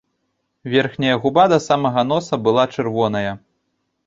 Верхняя губа да самага носа была чырвоная.